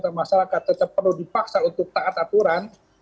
kalau memang ada masalah kita tetap perlu dipaksa untuk taat aturan